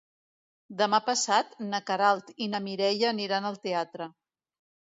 Demà passat na Queralt i na Mireia aniran al teatre.